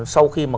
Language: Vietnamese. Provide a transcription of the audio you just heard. sau khi mà